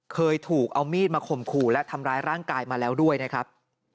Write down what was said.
เคยถูกเอามีดมาข่มขู่และทำร้ายร่างกายมาแล้วด้วยนะครับ